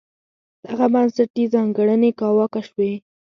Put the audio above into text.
دغه بنسټي ځانګړنې کاواکه شوې.